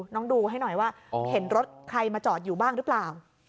ดูให้หน่อยว่าเห็นรถใครมาจอดอยู่บ้างหรือเปล่า